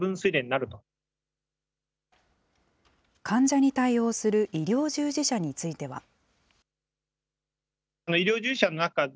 患者に対応する医療従事者については。